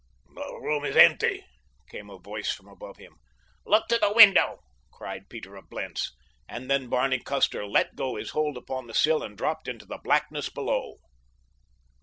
"The room is empty," came a voice from above him. "Look to the window!" cried Peter of Blentz, and then Barney Custer let go his hold upon the sill and dropped into the blackness below.